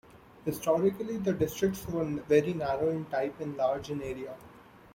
Historically, the districts were very narrow in type and large in area.